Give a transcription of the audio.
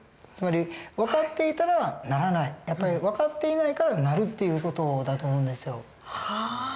つまり分かっていたらならない分かっていないからなるっていう事だと思うんですよ。